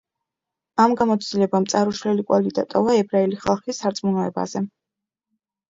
ამ გამოცდილებამ წარუშლელი კვალი დატოვა ებრაელი ხალხის სარწმუნოებაზე.